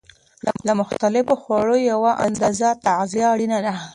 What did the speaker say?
له مختلفو خوړو یوه اندازه تغذیه اړینه ده.